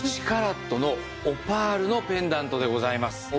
１カラットのオパールのペンダントでございます。